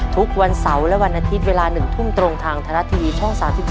ทุกวันเสาร์และวันอาทิตย์เวลา๑ทุ่มตรงทางไทยรัฐทีวีช่อง๓๒